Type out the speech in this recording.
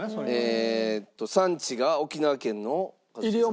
えっと産地が沖縄県の。